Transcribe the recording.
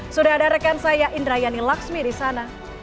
sudah ada rekan saya indrayani laksmi di sana